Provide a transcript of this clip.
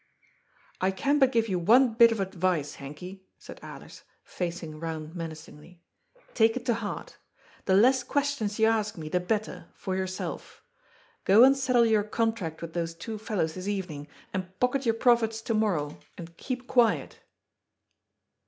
" I can but give you one bit of advice, Henky," said Alers, facing round menacingly. " Take it to heart. The less questions you ask me, the better — for yourself. Go and settle your contract with those two fellows this evening, and pocket your profits to morrow, and keep quiet."